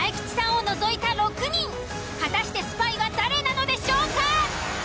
果たしてスパイは誰なのでしょうか。